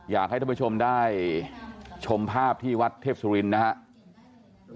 อยากให้ท่านผู้ชมได้ชมภาพที่วัดเทพสุรินทร์นะครับ